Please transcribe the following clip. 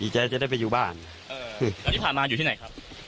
ดีใจจะได้ไปอยู่บ้านเอ่อตอนนี้ผ่านมาอยู่ที่ไหนครับ